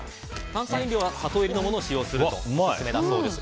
炭酸飲料は砂糖入りのものを使用するのがオススメだそうです。